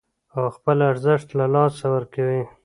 او خپل ارزښت له لاسه ورکوي